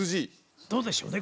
どうでしょうね？